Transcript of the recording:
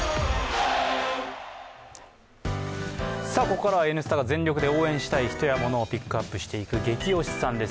ここからは「Ｎスタ」が全力で応援したい人やものをピックアップしていく「ゲキ推しさん」です。